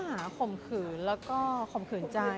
ข้อหาข่มขื่นแล้วก็ข่มขื่นใจ